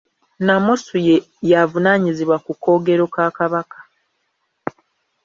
Nnamusu ye avunaanyizibwa ku koogero ka Kabaka.